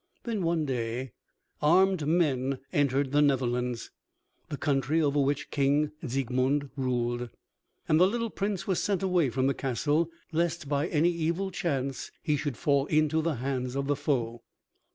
Then one day armed men entered the Netherlands, the country over which the King Siegmund ruled, and the little Prince was sent away from the castle, lest by any evil chance he should fall into the hands of the foe.